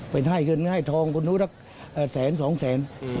เป็นไทยเงินไทยทองคนรู้รักแสนสองแสน